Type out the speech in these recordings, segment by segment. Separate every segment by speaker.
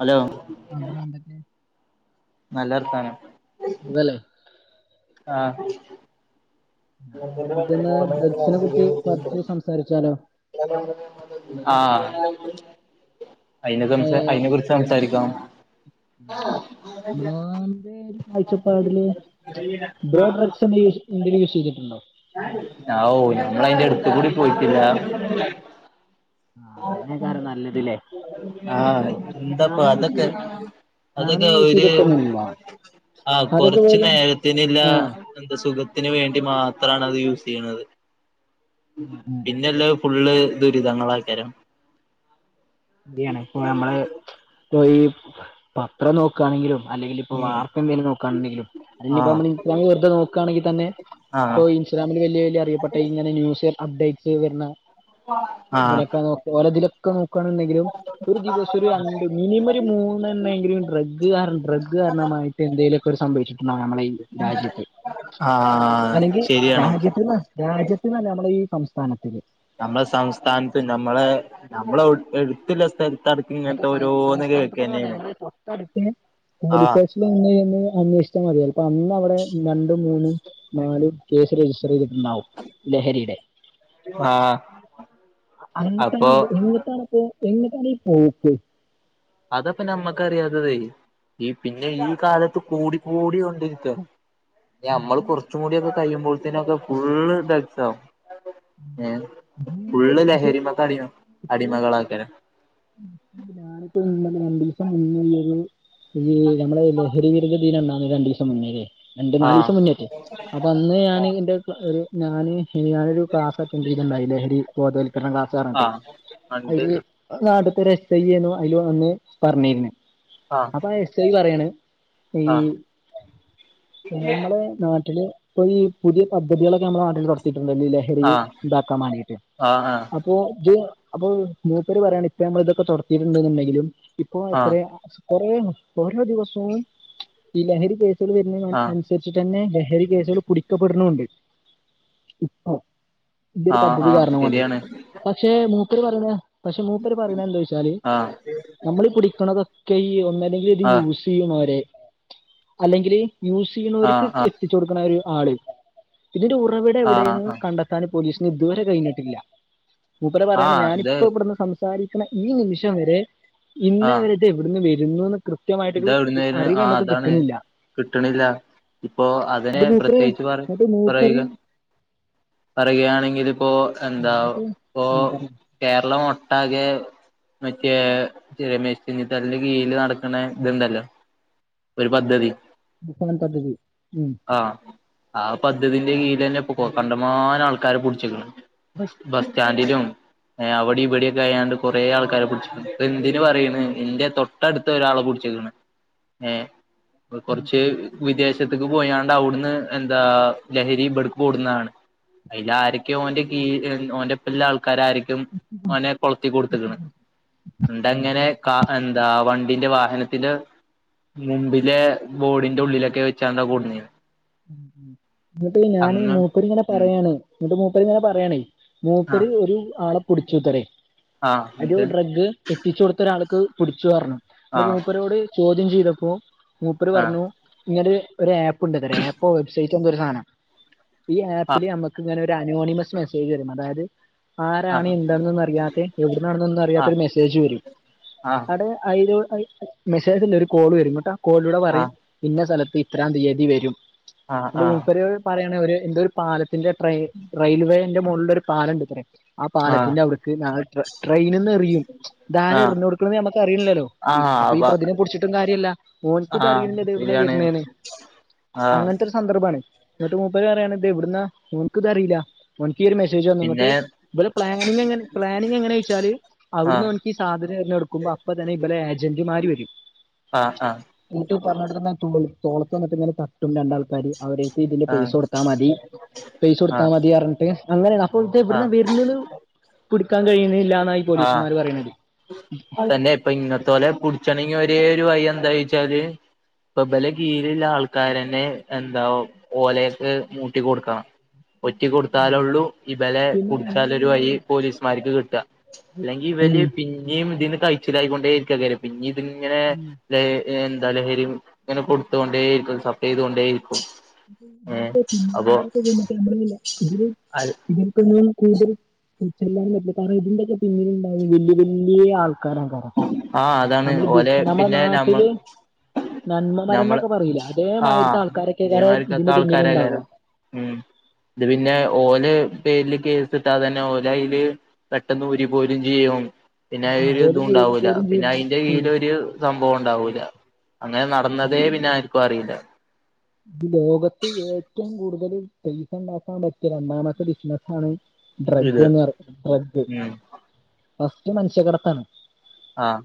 Speaker 1: Hello... !
Speaker 2: അങ്ങ വന്നിട്ട്.
Speaker 1: നല്ലർത്താനം.
Speaker 2: സുഖംല്ലേ?
Speaker 1: ആഹ.. ! [inaudible]
Speaker 2: നമുക്കിന്ന് ഡ്രഗ്സിനെ കുറിച്ച് കുറച്ച് സംസാരിച്ചാലോ
Speaker 1: ആഹ് അയ്നെ കുറിച്ച്
Speaker 2: ഏഹ്
Speaker 1: അയിനെ കുറിച്ച് സംസാരിക്കാം
Speaker 2: ബ്രോന്റെ ഒരു കാഴ്ചപ്പാടില് ബ്രോ, ഡ്രഗ്സ്- ഇന്റർവ്യൂ ചെയ്തിട്ടുണ്ടോ?
Speaker 1: ഓ ഞമ്മൾ അതിന്റെ അടുത്ത് കൂടി പോയിട്ടില്ല.
Speaker 2: ആഹ് അതിനേക്കാരം നല്ലതില്ലേ
Speaker 1: ആഹ് എന്താപ്പൊ
Speaker 2: ഞാനും യൂസ്
Speaker 1: അതൊക്കെ
Speaker 2: ചെയ്തി ഞാനും
Speaker 1: അതൊക്കെ
Speaker 2: യൂസ്
Speaker 1: ഒരു
Speaker 2: ചെയ്തിട്ടൊന്നുമില്ല
Speaker 1: ആ
Speaker 2: അതൊക്കെ
Speaker 1: കൊറച്ച്
Speaker 2: വെറും
Speaker 1: നേരത്തിനില്ല
Speaker 2: ആഹ്
Speaker 1: എന്ത സുഖത്തിന് വേണ്ടി- മാത്രമാണ് അത് യൂസ് ചെയ്യുന്നത് പിന്നെല്ല, ഫുള്ള് ദുരിതങ്ങള ആക്കരം.
Speaker 2: ഇയാണ് ഇപ്പോ നമ്മള് ഇപ്പ ഈ- ഇത്ര നോക്കയാണെങ്കിലും, അല്ലങ്കിൽ ഇപ്പ
Speaker 1: ഉം
Speaker 2: വാർത്ത എന്തങ്കില- നക്കുകയാണെങ്കിലും, ഹാ ഇപ്പമ്മ ഇസ് വെറതെ- നോക്കുകയാെങ്കിൽ തന്നെ,
Speaker 1: ആഹ... !
Speaker 2: ഇൻസ്ഗ്രാമിൽ വലിയ, വലിയ അറിയപ്പെട്ട ഇങ്ങനെ ന്യൂസ് അപഡേറ്റ്സ് വരുന്ന-
Speaker 1: ആഹ്
Speaker 2: ബലൊക്കെ നോക്ക ഓരതിലൊക്കെ നോക്കണണ്ടെങ്കിലും ഒരു ദിവസം ഒരു രണ്ട് മിനിമം ഒരു, മൂന്നെണ്ണെങ്കിലും ഡ്രഗ്കാരണം, ഡ്രഗ് കാരണമായിട്ട് എന്തെലും. സംഭവിച്ചിട്ടുണ്ടാവ നമ്മളെ ഈ, രാജ്യത്ത്
Speaker 1: ആഹ്
Speaker 2: അല്ലെങ്കിൽ
Speaker 1: ശരിയാണ്
Speaker 2: രാജ്യത്ത്- രാജ്യത്തിനല്ല നമ്മള ഈ സംസ്ഥാനത്തില്.
Speaker 1: നമ്മളെ സംസ്ഥാനത്ത് നമ്മളെ, നമ്മളെ എടുത്തുള്ള സ്ഥലത്ത്-
Speaker 2: ഇപ്പ സംസ്ഥാനത്ത് കൊന്നും പോണ്ട, ഞമ്മളെ ന്തൊട്ടടുത്ത്.
Speaker 1: ആഹ്
Speaker 2: [unintelligible] അന്വേഷിച്ചാൽ മതിയ അപ്പൊ അന്ന് അവിടെ രണ്ടും മൂന്നും നാലും കേസ് റിജിസ്റ്റർ ചെയ്തിട്ടുണ്ടാവും, ലഹരിയുടെ-
Speaker 1: ആഹ.. !
Speaker 2: അങ്ങത്തൊണെ എങ്ങട്ടണ പോ- എങ്ങട്ടാണെ പോക്ക്.
Speaker 1: അതപ്പ ഞമ്മക്കറിയാത്തതെ ഈ പിന്നെ ഈ കാലത്ത് കൂടി, കൂടി കൊണ്ടിരിക്കണ്. ഇ അമ്മള് കുറച്ചും കൂടി ഒക്കെ കഴിയുമ്പോഴത്തേന ഒക്കെ ഫുള്ള് സ്ഥലത്താവും ഹാ ഫുള്ള്
Speaker 2: പക്ഷെ
Speaker 1: ലഹരിമക്ക അടിമ-
Speaker 2: ഇപ്പോ
Speaker 1: അടിമകള ആക്കാരം.
Speaker 2: ഞാനിപ്പോ ഈ രണ്ടു ദിവസം മുന്നേല്ലരുന്നു. ഈ നമ്മള ലഹരി വിരുദ് ദീനം എന്നാണ് രണ്ടു ദിവസം മുന്നേലെ, രണ്ട് നാല്
Speaker 1: ആഹ്
Speaker 2: ദിവസം മുന്നേറ്റേ. വന്ന് ഞാന് എൻ്റെ ഒരു ഞാന് ഞാനൊരൂ ക്ലാസ് അറ്റൻഡറ് ചെയ്തിട്ടണ്ടായി, ലഹരി ബോധവൽക്കരണം ക്ലാസ്.
Speaker 1: ആഹ് എന്നിട്ട്
Speaker 2: ഒരു [inaudible] നാടുത്തെ ഒരു എസ് ഐ ന്നു അതിൽ വന്ന് പറഞ്ഞിരുന്നെ
Speaker 1: ആഹ്
Speaker 2: അപ്പൊ ആ എസ് ഐ പറയാണ് ഈ
Speaker 1: ആഹ്
Speaker 2: നമ്മളെ നാട്ടില്- ഇപ്പോ ഈ പുതിയ പദ്ധതികളൊക്കെ നമ്മുടെ നാട്ടിൽ നടത്തിട്ടുണ്ടല്ലോ? ലഹരി
Speaker 1: ആഹ്
Speaker 2: ഇതാക്കാൻ വേണ്ടിയിട്ട്.
Speaker 1: ആഹ്
Speaker 2: ഇപ്പോ ഇത് അപ്പോ മൂപ്പര് പറയാണ് ഇപ്പോ നമ്മൾ ഇതൊക്കെ തുത്തിയിട്ടുണ്ടുണ്ടെങ്കിലും ഇപ്പോ
Speaker 1: ആഹ്
Speaker 2: എത്ര- കൊറേ ഓരോ ദിവസവും ഈ ലഹരി കേസുകൾ വരുന്ന അനു
Speaker 1: ആഹ്
Speaker 2: അനുസരി തന്നെ ലഹരി കേസുകൾ പിടിക്കപ്പെടണുണ്ട് ഇപ്പ ഇതൊരു
Speaker 1: ആഹ്
Speaker 2: പദ്ധതി
Speaker 1: ആഹ്
Speaker 2: കാരണം കൊണ്ടേ.
Speaker 1: ശരിയാണ്
Speaker 2: പക്ഷേ മൂപ്പര് പറന്നത് പക്ഷെ മൂപ്പര് പറയുന്നത് എന്താന്നുച്ചാല്
Speaker 1: ആഹ്
Speaker 2: നമ്മള് ഈ പിടിക്കണതൊക്കെ ഈ ഒന്നല്ലെങ്കി ഇത്
Speaker 1: ആഹ്
Speaker 2: യൂസ് ചെയ്യും അവരെ അല്ലെങ്കില് യൂസ് ചെയ്യുണോർക്ക്
Speaker 1: ആഹ് ആഹ്
Speaker 2: എത്തിച്ച് കൊടുക്കുന്ന ഒര് ആള് ഇതിന്റെ ഉറവിടം
Speaker 1: ആഹ്
Speaker 2: എവ്ടെന്ന്
Speaker 1: ആഹ്
Speaker 2: കണ്ടെത്താൻ പോലീസിന് ഇത് വരെ കഴിഞ്ഞിട്ടില്ല. മൂപ്പര് പറയാണ്
Speaker 1: ആഹ് ഇത്
Speaker 2: ഞാനിപ്പ ഇവ്ട്ന്ന് സംസാരിക്കണ ഈ നിമിഷം വരെ ഇന്നെവരെ ഇത് എവ്ട്ന്ന് വര്ന്നുന്ന്
Speaker 1: ഇതാ എവ്ട്ന്നാവര്ണേ ആ അതാണ് കിട്ട്ണില്ല ഇപ്പോ
Speaker 2: അത്
Speaker 1: അതിനെ
Speaker 2: മൂപ്പര്
Speaker 1: പ്രത്യേകിച്ച് പറ
Speaker 2: എന്നിട്ട് മൂപ്പര്
Speaker 1: പറയുക പറയുകയാണെങ്കില് പ്പോ എന്താ
Speaker 2: എന്നിട്ട്
Speaker 1: പ്പോ
Speaker 2: ആ പറഞ്ഞു
Speaker 1: കേരളം ഒട്ടാകെ മറ്റേ രമേശ് ചെന്നിതലേടെ കീഴില് നടക്കണ ഇത്ണ്ടല്ലോ ഒര് പദ്ധതി
Speaker 2: തുഫാൻ പദ്ധതി ഉം
Speaker 1: ആഹ് ആ പദ്ധതിന്റെ കീഴിലന്നെപ്പ കണ്ടമാനം ആൾക്കാരെ പിടിച്ചക്ക്‌ണ് ബസ്സ്റ്റാൻഡിലും എഹ് അവ്ടെ ഇവ്ടെക്കെ അയാണ്ട് കൊറേ ആൾക്കാരെ പിടിച്ചുക്ക്ണു ‌ എന്തിന് പറയണ് ഇന്റെ തൊട്ടടുത്ത ഒരാളെ പിടി [unintelligible] ഏഹ് ‌
Speaker 2: ഉം
Speaker 1: കൊറച്ച്
Speaker 2: ഉം
Speaker 1: വിദേശത്തക്ക് പോയാണ്ട് അവ്ട്ന്ന് എന്താ ലഹരി ഇബടുക്ക് കൊടുന്നതാണ് അയില് ആര്! ! ! ! ! ! ! ! ! ! ഓന്റെ കീഴി ഓന്റെപ്പള്ള ആൾക്കാരാരിക്കും ഓനെ കൊളത്തി കൊടുത്ത്ക്കണ്
Speaker 2: ആ
Speaker 1: എന്തങ്ങനെ കാ എന്താ വണ്ടിന്റെ വാഹന മുമ്പിലെ ബോഡിന്റെ ഉള്ളിലൊക്കെ വെച്ചാണ്ടാ കൊണ്ടുന്നേ
Speaker 2: എന്ന്ട്ട് ഞാന്
Speaker 1: അങ്ങ്
Speaker 2: മൂപ്പരിങ്ങനെ
Speaker 1: ഉം
Speaker 2: പറയാണ് എന്ന്ട്ട് മൂപ്പരിങ്ങനെ പറയാണേ
Speaker 1: ആ
Speaker 2: മൂപ്പര് ഒരു ആളെ പിടിച്ചുത്രെ
Speaker 1: ആ
Speaker 2: ഒരു
Speaker 1: ഉണ്ട്
Speaker 2: ഡ്രഗ് എത്തിച്ച് കൊടുത്ത ഒരാൾക്ക് പ്ടിച്ചു പറഞ്ഞു
Speaker 1: ആ
Speaker 2: മൂപ്പരോട് ചോദ്യം ചെയ്തപ്പോ മൂപ്പര്
Speaker 1: ആ
Speaker 2: പറഞ്ഞു ഇങ്ങനെ ഒര് ആപ്പ്ണ്ട്ത്ര ആപ്പോ വെബ്സൈറ്റ് എന്തൊ ഒര് സാനം ഈ
Speaker 1: ആ
Speaker 2: ആപ്പില് നമ്മക്ക്ങ്ങനെ ഒര് അനോണിമസ് മെസ്സേജ് വരും അതായത്
Speaker 1: ആ
Speaker 2: ആരാണ് എന്താണൊന്നും അറിയാത്ത എവ്ട്ന്നാണെന്നൊന്നും
Speaker 1: ആ
Speaker 2: അറിയാത്ത ഒര് മെസ്സേജ് വരും
Speaker 1: ആ ആ
Speaker 2: അത് അയില് മെസ്സേജല്ല ഒര് കോള് വരും എന്നിട്ട് ആ കോളിലൂടെ
Speaker 1: ആ
Speaker 2: പറയും ഇന്ന സ്ഥലത്ത് ഇത്രാം തീയതി വരും
Speaker 1: ആ ആ
Speaker 2: മൂപ്പര് പറയാണ് ഒര് എന്തൊ ഒര് പാലത്തിന്റെ ട്രെ റെയിൽവേന്റെ മോളിലൊരു പാലംണ്ടത്രേ ആ പാലത്തിന്റെ അവ്ട്ക്ക് നാ ട്രെയിനിന്ന് എറിയും ഇധാരാ
Speaker 1: ആ
Speaker 2: എറിന്ന് കൊടുക്ക്ണെ‌ന്ന് ഞമ്മക്ക് അറിയില്ലോ അപ്പ ഈ പ്രതിനെ പ്ടിച്ചിട്ടും കാര്യല്ല ഓൽക്കും
Speaker 1: ആ
Speaker 2: ഇത് അറിയ്ണില്ല ഇത് എവ്ട്ന്നാ
Speaker 1: ശരിയാണ്
Speaker 2: വര്ന്നെന്ന്
Speaker 1: ആ
Speaker 2: അങ്ങനത്തെ ഒരു സന്ദർഭാണ് എന്നിട്ട് മൂപ്പര് പറയാണ് ഇത് എവ്ട്ന്നാ ഓൻക്കും ഇത് അറിയില്ല ഓൻക്ക് ഈ ഒര് മെസ്സേജ് വന്നു ഇട്ട്
Speaker 1: പിന്നെ
Speaker 2: ഇബലെ പ്ലാനിങ്ങ് എങ്ങനെ പ്ലാനിങ്ങ് എങ്ങനെചോയിച്ചാല്
Speaker 1: ആ
Speaker 2: അവിടുന്ന് ഓൻ ഈ സാധനം എറിഞ് കൊടുക്കുമ്പ അപ്പ തന്നെ ഇബലെ ഏജന്റ്മാര് വരും
Speaker 1: ആഹ് ആഹ്
Speaker 2: എന്നിട്ട് പറഞ്കൊടുക്കുന്നെ തോളത്ത് വന്ന് തട്ടും രണ്ടാള് പടി, അവരെത്തിയിട്ട് ഇതിന്റെ പൈസ കൊടുത്താ മതി, പൈസ
Speaker 1: ആ
Speaker 2: കൊടുത്താ മതി പറഞ്ഞിട്ട് അങ്ങനെയാണ്, അപ്പ ഇത്
Speaker 1: ആ
Speaker 2: എവിട്ന്നാ വര്ണേന്ന് കൂട്ക്കാൻ കഴിയ്ന്നില്ല എന്നാ ഈ പോലീസുമാര് പറയണത്.
Speaker 1: [unintelligible] അതന്നെ ഇപ്പ ഇങ്ങത്തോലേ പുട്ച്ചണെങ്കി ഒരേ ഒരു വഴി എന്തായിച്ചാല് ഇപ്പം ഇബലെ കീഴില്ള്ള ആൾക്കാരന്നെ എന്താ ഒ ഓലെയൊക്കെ മൂട്ടി കൊടുക്കണം ഒറ്റി
Speaker 2: ഉം.
Speaker 1: കൊടുത്താലൊള്ളൂ ഇബലെ
Speaker 2: പിന്നെ നമ്മള്
Speaker 1: പുടിച്ചാലൊരു
Speaker 2: ഈ
Speaker 1: വയി പോലീസുമാര്ക്ക് കിട്ട്വാ അല്ലെങ്കി ഇവല്
Speaker 2: ഉം.
Speaker 1: പിന്നെയും ഇതിന്ന് കയിച്ചിലായിക്കൊണ്ടേരിക്കും പിന്നേം ഇത് ഇങ്ങനെ എ ഏ എന്താ ലഹരി ഇങ്ങനെ കൊടുത്തുകൊണ്ടേരിക്കും സപ്ളൈ ചെയ്തോണ്ടേരിക്കും
Speaker 2: ഇതിന്റെ പിന്നാമ്പുറത്ത് ചെന്നിട്ട് [unintelligible] ഇതില് ഇവര്ക്ക്‌ എന്താണ് കൂടുതല് ച്ചെയ്യാനും പറ്റില്ല കാരണം ഇതിന്റൊക്കെ പിന്നില്ണ്ടാകും വല്യേ വല്യേ ആൾക്കാരപ്പം
Speaker 1: ആഹ് അതാണ്
Speaker 2: നമ്മള് ബി
Speaker 1: ഓലെ
Speaker 2: നമ്മളെ
Speaker 1: പിന്നെ നമ്മ
Speaker 2: നാട്ടില് നന്മ
Speaker 1: നമ്മള്
Speaker 2: മരംന്നൊക്കെ പറയുലെ
Speaker 1: ആഹ്
Speaker 2: അതേമാതിരത്തെ ആൾക്കാരക്കെക്കാര്
Speaker 1: ഇതേമാതിരി കത്ത
Speaker 2: ഇതിന്റെ പിന്നില് ഇണ്ടാവാ
Speaker 1: ആൾക്കാരേക്കാരം ഉം ഇത് പിന്നെ ഓല് പേരില് കേസ്ട്ടാ തന്നെ ഓലയില് പെട്ടെന്ന് ഊരി പോരും ചെയ്യും പിന്നെ
Speaker 2: ആ
Speaker 1: അയില്
Speaker 2: ഓര് കേറി
Speaker 1: ഇണ്ടാവൂല്ല
Speaker 2: പോരും
Speaker 1: പിന്നെ
Speaker 2: ചെയ്യും
Speaker 1: അതിന്റെ
Speaker 2: ഉം
Speaker 1: കീഴിൽ ഒരു സംഭവം ഉണ്ടാവൂല്ല അങ്ങനെ നടന്നതേ പിന്നെ ഇപ്പ അറിയില്ല
Speaker 2: ഇത് ലോകത്ത് ഏറ്റവും കൂടുതൽ പൈസ ഉണ്ടാക്കാൻ പറ്റിയ ഒന്നാമത്തെ ബിസിനസ് ആണ് ഡ്രഗ്
Speaker 1: ഇത്
Speaker 2: എന്ന് പറ ഡ്രഗ്
Speaker 1: ഉം
Speaker 2: ഫസ്റ്റ് മനുഷ്യ കടത്താണ്
Speaker 1: ആഹ്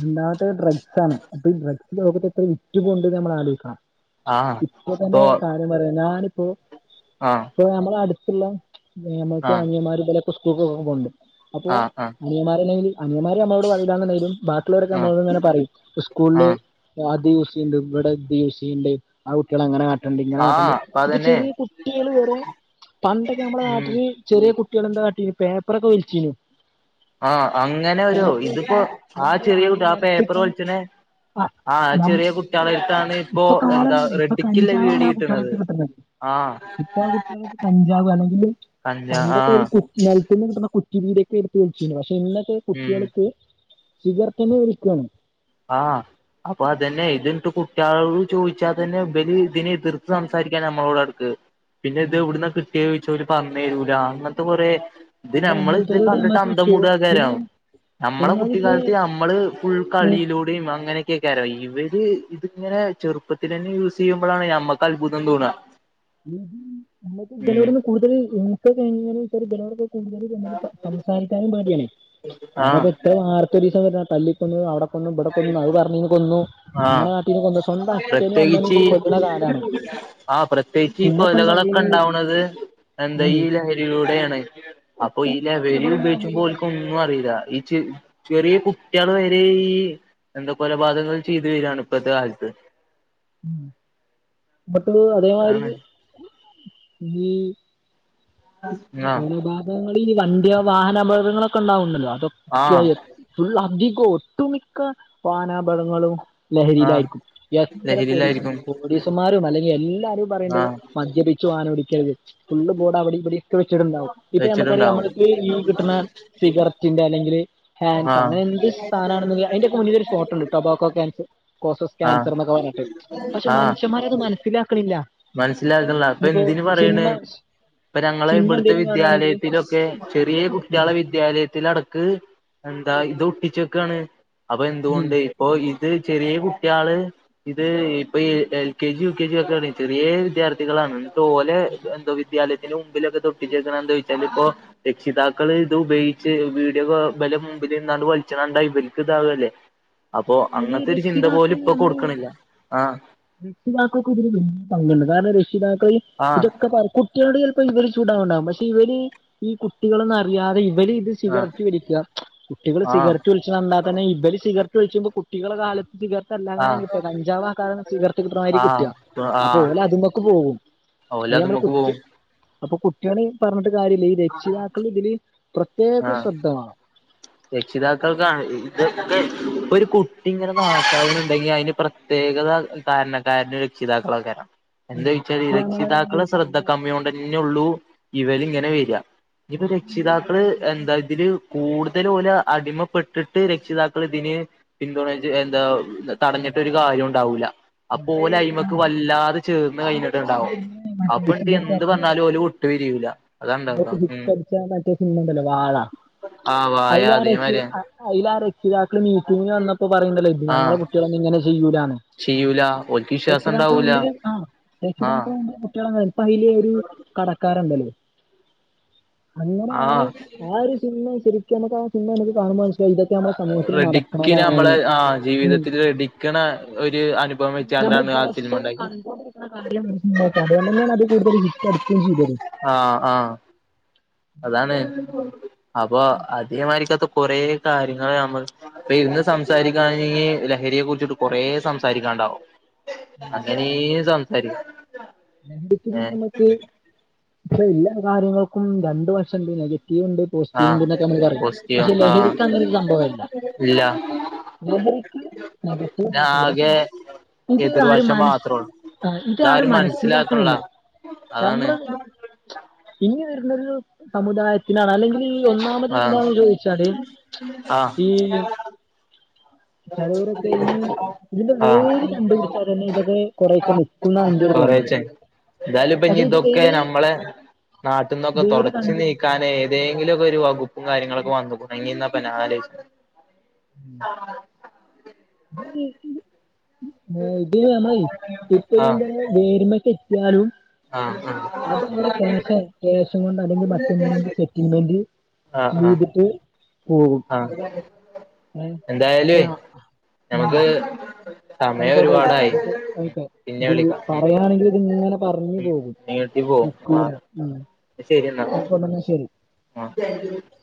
Speaker 2: ല്ലാത്ത ര് ഡ്രഗ്സ്സാണ് അപ്പൊ ഈ ഡ്രഗ്സ് ലോകത്ത് എത്ര വിറ്റുപോണ്ട് ന്ന് നമ്മൾ ആലോയിക്കണം
Speaker 1: ആഹ്
Speaker 2: ഇപ്പ തന്നെ
Speaker 1: ഇപ്പൊ
Speaker 2: കാര്യം പറയാ ഞാനിപ്പോ
Speaker 1: ആഹ്
Speaker 2: ഇപ്പൊ നമ്മളെ അടുത്തുള്ള നമ്മക്ക്
Speaker 1: ആഹ്
Speaker 2: അനിയന്മാരും ഇബലൊക്കെ സ്കൂൾ പോകുമ്പണ്ട് അപ്പോ
Speaker 1: ആഹ് ആഹ്
Speaker 2: അനിയമാരല്ലെങ്കി അനിയമ്മാര് അമ്മളോട് പറീലാന്ന്ണ്ടെൻങ്കിലും ബാക്കിള്ളോരൊക്കെ അമ്മ
Speaker 1: ആഹ്
Speaker 2: ളോട് ങ്ങനെ പറയും സ്കൂൾല്
Speaker 1: ആഹ്
Speaker 2: ആ ത് യുസേയ്യ്ണ്ട് ബടെ ത് യൂസയ്യ്ണ്ട് ആ കുട്ടിയാള് അങ്ങനെ കാട്ട്ണ്ട് ഇങ്ങനെ കാട്ട്ണ്ട്
Speaker 1: ആഹ് അപ്പ
Speaker 2: ഇപ്പൊ
Speaker 1: അതന്നെ
Speaker 2: ചെറിയ കുട്ടിയേള് വരെ പണ്ടൊക്കെ നമ്മുടെ
Speaker 1: ഉം
Speaker 2: നാട്ടില് ചെറിയ കുട്ട്യാളെന്താ കാട്ടീന്ന് പേപ്പറൊക്കെ വൽച്ചീനു
Speaker 1: ആഹ് അങ്ങനൊരു ഇതിപ്പോ ആ
Speaker 2: അല്ലെങ്കിൽ
Speaker 1: ചെറിയ
Speaker 2: ആരേം
Speaker 1: കുട്ടിയ ആ പേപ്പർ
Speaker 2: നിലത്തിട്ട്
Speaker 1: വൽച്ച്ണെ
Speaker 2: ആ
Speaker 1: ആഹ്
Speaker 2: നം
Speaker 1: ചെറിയ കുട്ടികളെ എടുത്താണ്
Speaker 2: ഇപ്പൊ കാലംമാറി ഇപ്പൊ കഞ്ചാവാണ് ആ കുട്ട്യാളട്ത്ത് കിട്ട്ണ്
Speaker 1: ആഹ്
Speaker 2: ഇപ്പ കുട്ടിയാളെട്ത്ത് കഞ്ചാവ് അല്ലെങ്കില്
Speaker 1: കഞ്ചാ ആഹ്
Speaker 2: നിലൽത്തി നിന്ന് കിട്ടുന്ന കുറ്റി രീതിക്കെ എടുത്ത് വിളിച്ചു പക്ഷെ ഇന്നൊത്തെ
Speaker 1: ഉം
Speaker 2: കുട്ടികൾക്ക് ഇവർക്കെന്നെ വിരിക്കാണ്
Speaker 1: ആഹ് അപ്പൊ അതന്നെ ഇതിട്ട് കുട്ടികളട് ചോദിച്ചാൽ തന്നെ ബലി ഇതിനെ എതിർത്ത് സംസാരിക്ക നമ്മളോട് അടുക്ക് പിന്നെ ഇത് ഇവിടന്ന് കിട്ടിയ ചോദിച്ചാ പോല് പറന്ന തരൂല അങ്ങനത്തെ കുറെ ഇത്
Speaker 2: പിന്നെ
Speaker 1: നമ്മള് ഇത്
Speaker 2: അങ്ങനത്തോരോട്
Speaker 1: കണ്ടിട്ട്
Speaker 2: നമ്മക്ക് ചോ
Speaker 1: അന്ധമൂട ആ കാരു
Speaker 2: പിന്നെ
Speaker 1: നമ്മളെ
Speaker 2: ഒന്നാമത്
Speaker 1: കുട്ടിക്കാലത്ത് നമ്മള് ഫുൾ
Speaker 2: പിന്നെ
Speaker 1: ക്കളിയിലും കുടിം അങ്ങനൊക്കെയ്ക്കാരം ഇവര് ഇത്ങ്ങനെ ചെറുപ്പത്തിലെന്നെ യൂസ് ചെയ്യുമ്പോഴാണ് നമ്മക്ക് ൻക്ക് അൽഭുതം തോന്നാ
Speaker 2: എവ്ടെണ് നമുക്ക് ഇവലോടുന്ന് കൂടുതൽ കഴിഞ്ഞച്ചാ ഇവലോട് കൂടുതൽ സംസാരിക്കാനും പാടിയാണ്
Speaker 1: ആ
Speaker 2: അതാ പ്പൊ എത്രെ വാർത്ത ഒരുസം വര്ന് തല്ലിക്കൊന്നു അവ്ടെ കൊന്നു ഇബടെ കൊന്നു അത് പറഞീന് കൊന്നു അങ്ങനെ
Speaker 1: ആ
Speaker 2: നാട്ടീന് കൊ സ്വന്തം അച്ഛനും അമ്മനേും കൊല്ലുന്ന കാലമാണ്
Speaker 1: ആഹ് പ്രത്യേകിച്ച് ഈ കൊലകളൊക്കെ
Speaker 2: ഈ
Speaker 1: ഉണ്ടാവണത് എന്താ ഈ ലെഹരികളിലൂടെയാണ് അപ്പൊ ഈ ലൈബ്രേരി
Speaker 2: ഉം
Speaker 1: ഉപയോഗിക്കുമ്പോക്കും ന്നും അറീല ഈ ച് ചെറിയ കുട്ടിയാള് വരെ ഈ എന്താ കൊലപാതകങ്ങൾ ചെയ്ത് വീരാണ് ഇപ്പഴത്തെ കാലത്ത്
Speaker 2: ഉം. ന്നട്ട് അതേമാരി
Speaker 1: അതാണ്
Speaker 2: [unintelligible]
Speaker 1: ആഹ്
Speaker 2: ഉൾഭാഗങ്ങളിൽല് ഈ വണ്ടിയ വാഹന അപകടങ്ങളൊക്കെ ഉണ്ടാവണ്ടല്ലോ അതൊക്കെ
Speaker 1: ആഹ്
Speaker 2: ഫുള്ള് അധികം ഒട്ടുമിക്ക വാഹനാപകടങ്ങളും
Speaker 1: ആഹ്
Speaker 2: ലഹരിയിലായിരിക്കും എത്ര പോലീസ്
Speaker 1: ലഹരിയിലായിരിക്കും
Speaker 2: പോലീസുമാരും അല്ലെങ്കിൽ എല്ലാരും പറയേണ്ടത്
Speaker 1: ആഹ്
Speaker 2: മദ്യപിച്ചു വാഹനോടിക്കരുത് ഫുള്ള് ബോഡ് അവിടെ ഇടി വെച്ചിട്ടുണ്ടാാവും ഇപ്പൊ നമുക്കറിയാം
Speaker 1: വെച്ചിട്ടുണ്ടാവും
Speaker 2: നമ്മക്ക് ഈ കിട്ടുന്ന സിഗരറ്റിന്റെ അല്ലെങ്കിൽ ഹാൻസോ
Speaker 1: ആഹ്
Speaker 2: അങ്ങനെ എന്ത് സാധനാണെലും അതിന്റെയൊക്കെ മുന്നിൽ ഒരു ഫോട്ടോണ്ട് കട്ടോൻസ് കോസോസ്
Speaker 1: ആഹ്
Speaker 2: ക്യാൻസർ എന്നൊക്കെ പറഞ്ഞിട്ട് പക്ഷെ മനുഷ്യമാർ അത് മനസ്സിലാക്കണില്ല
Speaker 1: മനസ്സിലാക്ക്ണ്ല്ല അപ്പൊ
Speaker 2: ഇനിയിപ്പോ
Speaker 1: എന്തിന് പറയണ്
Speaker 2: സിനിമ
Speaker 1: ഇപ്പൊ ഞങ്ങള്
Speaker 2: സിനിമ
Speaker 1: ഇവിടുത്തെ
Speaker 2: എന്തെലും കാണുകയാണെങ്കിൽ
Speaker 1: വിദ്യാലയത്തിലൊക്കെ ചെറിയ കുട്ടികളെ വിദ്യ വിദ്യാലയത്തി അടക്ക് എന്താ ഇത് ഒട്ടിച്ച് വക്കാണ് അപ്പൊ എന്തുകൊണ്ട് ഇപ്പൊ ഇത് ചെറിയ കുട്ടികള് ഇത് ഇപ്പൊ എ L K G U K G ഒക്കെയ ആണ് ചെറ്യേ വിദ്യാർത്ഥികളാണ് ന്നട്ടോലെ എന്താ വിദ്യാലയത്തിന്റെ മുമ്പിലൊക്കെ തൊട്ടിച്ചേക്കണ എന്തോച്ചാൽ ഇപ്പോ രക്ഷിതാക്കള് ഇത് ഉപയോഗിച്ച് വീട് ബലെ മുമ്പിലിന്നാണ്ട് വലിച്ചണണ്ടാ ബൽക്ക് ഇതാവല്ലേ
Speaker 2: [inaudible]
Speaker 1: അപ്പൊ
Speaker 2: അതില്
Speaker 1: അങ്ങത്തെരു ചിന്ത പോലും
Speaker 2: രക്ഷിതാക്കള്
Speaker 1: ഇപ്പൊ
Speaker 2: നമ്മള്
Speaker 1: കൊട്ക്കിണില്ല. ആഹ്
Speaker 2: രക്ഷിതാക്കൾക്ക് ഇതിന് പങ്കുണ്ട് കാരണം രക്ഷിതാക്കൾ
Speaker 1: ആഹ്
Speaker 2: ഇതൊക്കെ പറ കുട്ട്യേളോട് ചെൽപ്പോ ഇവര് ചൂടാവുണ്ടാവും, പക്ഷെ ഇവര് ഈ കുട്ടികളൊന്നറിയാതെ ഇവല്
Speaker 1: ആഹ്
Speaker 2: സിഗരറ്റ് വലിക്കു കുട്ടികൾ
Speaker 1: ആഹ്
Speaker 2: സിഗരറ്റ് വലിക്കച്ച്ണ കണ്ടാ തന്നെ ഇവർ സിഗററ്റ് വലിച്ചിട്ട് കുട്ടികളെടെ കാലത്ത് സിഗർറ്റെല്ലാക്കാരം
Speaker 1: ആഹ്
Speaker 2: കിട്ടാ. കഞ്ചാവാക്കാരം സിഗർറ്റ് കിട്ട്ണമായിരി കിട്ടാ അപ്പൊ ഓലതുമക്ക് പോവും.
Speaker 1: ഓലതുമക്ക്പോവും.
Speaker 2: അപ്പൊ കുട്ടികളെ പറഞ്ഞിട്ട് കാര്യല്ല, ഈ രക്ഷിതാക്കള് ഇതില് പ്രത്യേക
Speaker 1: ആഹ്
Speaker 2: ശ്രദ്ധ വേണം
Speaker 1: രക്ഷിതാക്കൾക്കാണ്, ഇ ഇതൊക്കെ ഇപ്പൊര് കുട്ടി ങ്ങനെ നശാവുന്നുണ്ടെങ്കി അയിന് പ്രത്യേകത കാരണക്കാര് രക്ഷിതാക്കളാക്കാരം. എന്തേയ്ച്ചാല്
Speaker 2: ഇപ്പൊ നമ്മള്
Speaker 1: രക്ഷിതാക്കള് ശ്രദ്ധ
Speaker 2: പറഞ്ഞ
Speaker 1: കമ്മിയോണ്ടെ പിന്നുള്ളൂ ഇവര് ഇങ്ങനെ വരിക, ഇപ്പോ രക്ഷിതാക്കള് എന്താ ഇതില് കൂടുത [unintelligible] ഓല അടിമപ്പെട്ട്ട്ട് രക്ഷിതാക്കള് തിന് പിന്തുണച്ച് എന്താ തടഞ്ഞിട്ട്, ഒരു കാര്യം ഉണ്ടാവൂല,
Speaker 2: ഉം
Speaker 1: അപ്പോലെ അയിമേക്ക്
Speaker 2: ആഹ്
Speaker 1: വല്ലാതെ ചേർന്ന് കഴിഞ്ഞിട്ട്
Speaker 2: ഇപ്പ
Speaker 1: ഉണ്ടാവും
Speaker 2: നമ്മള് മറ്റേ
Speaker 1: അപ്പൊ
Speaker 2: ഈ
Speaker 1: എന്ത് പറഞ്ഞാലും ഓല് വിട്ട് പിരിയൂല. അതാണ്ടാവാ
Speaker 2: ഹിറ്റ്
Speaker 1: ഉം
Speaker 2: ടിച്ച ആ മറ്റെ സിനിമയില്ലേ വാഴ
Speaker 1: ആഹ് വായ
Speaker 2: അയ്ലാ റഷി
Speaker 1: അതേമാരിയാ
Speaker 2: അയലാ റഷീ പിതാക്കള് മീറ്റിംഗിന്‌ വന്നപ്പോ പറയുന്നുണ്ടല്ലോ ഇത് ഞങ്ങളെ
Speaker 1: ആഹ്
Speaker 2: കുട്ടികളൊന്ന്നും ഇങ്ങനെ ചെയ്യൂല
Speaker 1: ചെയ്യൂല ഓൽക്ക് വിശ്വാസം
Speaker 2: രക്ഷിതാക്കളെ
Speaker 1: ഉണ്ടാവൂല
Speaker 2: മുമ്പില് ആഹ്
Speaker 1: ആഹ്
Speaker 2: രക്ഷിതാക്കളെമുമ്പില് കുട്ടികള് [unintelligible] കടക്കാരണ്ട [unintelligible] അങ്ങനെയാണ്
Speaker 1: ആഹ്
Speaker 2: ആ ഒരു സിനിമയെ നമുക്ക് ആ സിനിമ നമുക്ക് കാണുമ്പോ ഇതൊക്കെ നമ്മുടെ സമൂഹത്തിൽ
Speaker 1: റെഡിക്ക്
Speaker 2: നടക്കുന്നതാണ്.
Speaker 1: ക്കെണ ഒര് അനുഭവം വെച്ചാണ്ടാണ് ആ സിനിമ ണ്ടാക്കിയെ.
Speaker 2: [unintelligible] അതോണ്ടെന്നേ ണ് അത് കൂടുതൽ ഹിറ്റ് അടിക്കിം ചെയ്തത്.
Speaker 1: ആഹ് ആഹ് അതാണ്. അപ്പൊ അധികമായിരിക്കാത്ത കൊറേ കാര്യങ്ങൾ നമ്മള് ഇപ്പൊ ഇന്ന് സംസാരിങ്കാണെങ്കിൽ ലഹരിയെ കുറിച്ചിട്ട് കുറേ സംസാരിക്കാനുണ്ടാവും. അങ്ങനേ സംസാരിക്കും
Speaker 2: നെഗറ്റീവ്
Speaker 1: ഏഹ്
Speaker 2: ഞമ്മക്ക് ഇ എല്ലാ കാര്യങ്ങൾക്കും രണ്ടു വശണ്ട് നെഗറ്റീവ് ഇണ്ട്. പോസിറ്റീവ്ണ്ട്
Speaker 1: ആഹ്
Speaker 2: ന്നൊക്കെ മ്മള് പറയിം.
Speaker 1: പോസിറ്റീവ്
Speaker 2: പക്ഷെ
Speaker 1: ആഹ്
Speaker 2: ലഹരിക്കങ്ങനൊരു സംഭവല്ല.
Speaker 1: ഇല്ല
Speaker 2: [unintelligible] ക്ക് നഖത്തില് മാത്രള്ളൂ പക്ഷെ
Speaker 1: ആകെ
Speaker 2: ഇതാണ് ആ ഒരു
Speaker 1: എതിർവശം
Speaker 2: മനസ്,
Speaker 1: മാത്രള്ളൂ
Speaker 2: ഇതാണ് ആ ഒരു
Speaker 1: ഇതാരും
Speaker 2: മനസ്
Speaker 1: മനസ്സിലാക്കണില്ല
Speaker 2: മിലാക്കണില്ല
Speaker 1: അതാണ്
Speaker 2: നമ്മൾ ഇനി വരുന്നരു സമുദായത്തി ഇതാലെങ്കില് ഈ ഒന്നാമത്
Speaker 1: ആഹ്
Speaker 2: ന്താന്ന് ചോയിച്ചാല്
Speaker 1: ആഹ്
Speaker 2: ഈ ചിലവരൊക്കെ ഈ ഇതിന്റെ
Speaker 1: [unintelligible] ആഹ്
Speaker 2: വേര്
Speaker 1: [unintelligible]
Speaker 2: കണ്ടുപിടിച്ചാൽ തന്നെ ഇതൊക്കെ കൊറെയൊക്കെ നിക്കുന്നാണ് എന്റെ ഒരു തോന്നല്
Speaker 1: കൊറേച്ചണ്ട് എന്തായാലും ഇപ്പ ഇനി
Speaker 2: പക്ഷെ ഇത്
Speaker 1: ഇതൊക്കെ
Speaker 2: വേര്
Speaker 1: നമ്മളെ നാട്ടിൽന്നൊക്കെ
Speaker 2: വേര്
Speaker 1: തുടച്ചു നീക്കാൻ
Speaker 2: കണ്ടുപിടിച്ചാലും
Speaker 1: ബേങ്കിലൊക്കെ ഒരു വകുപ്പും കാര്യങ്ങളൊക്കെ വന്നുക്കുണ്ടെങ്കി ന്നാ പ്പ ഞാആലോചി-
Speaker 2: [unintelligible] [unintelligible]
Speaker 1: ആഹ്, ആഹ്
Speaker 2: അത് അവിടെ ക്യാഷാ ക്യാഷ് കൊണ്ട് അല്ലെങ്കിൽ മറ്റെ സെറ്റിൽമെന്റ് ചെയ്ത്ട്ട്
Speaker 1: ആഹ്‌
Speaker 2: ഏഹ്
Speaker 1: എന്തായാലും
Speaker 2: ഇപ്പൊ ആ-
Speaker 1: നമുക്ക് സമയം
Speaker 2: ആയ്ക്കോട്ടെ, ആയ്ക്കോട്ടെ
Speaker 1: ഒരുപാടായി
Speaker 2: ന്ന് പ്പൊ ഐക്കെ.
Speaker 1: പിന്നെ
Speaker 2: ത്
Speaker 1: വിളിക്കാം ഉം
Speaker 2: പറയാണെങ്കി ത് ങ്ങനെ പറഞ്ഞ് പോകും.
Speaker 1: നീട്ടി പോവും ആ
Speaker 2: അക്കോട്ടെ ന്നാ ശരി
Speaker 1: ആഹ്